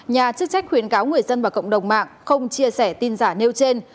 nhà chức trách khuyến cáo người dân và cộng đồng mạng không chia sẻ tin giả nêu trên